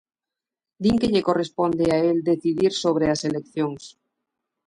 Din que lle corresponde a el decidir sobre as eleccións.